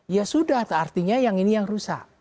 ya sudah artinya yang ini yang rusak